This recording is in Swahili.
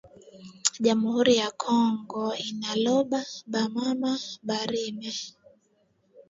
Jamuri yaki democracia ya kongo inalomba ba mama ba rime